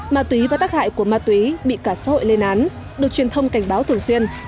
ma túy và tác hại của ma túy bị cả xã hội lên án được truyền thông cảnh báo thường xuyên